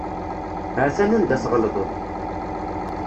Hatan anda tɣelḍeḍ.